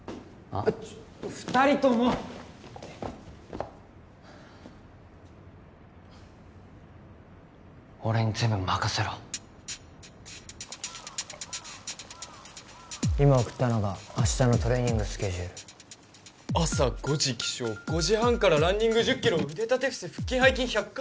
ちょっと二人とも俺に全部任せろ今送ったのが明日のトレーニングスケジュール朝５時起床５時半からランニング１０キロ腕立て伏せ腹筋背筋１００回？